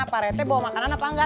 para etek bawa makanan apa enggak